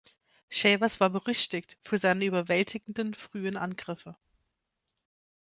Shavers war berüchtigt für seine überwältigenden frühen Angriffe.